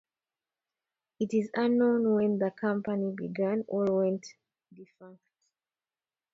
It is unknown when the company began or went defunct.